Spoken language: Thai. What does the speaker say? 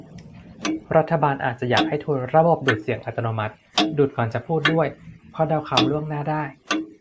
รัฐบาลอาจจะอยากให้ทุน ระบบดูดเสียงอัตโนมัติ ดูดก่อนจะพูดด้วย เพราะเดาคำล่วงหน้าได้